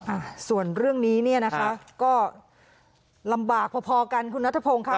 อ่าส่วนเรื่องนี้เนี่ยนะคะก็ลำบากพอพอกันคุณนัทพงศ์ค่ะ